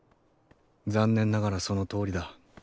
残念ながらそのとおりだ。